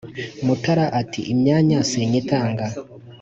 Mutara ati: "Imyanya sinyitanga,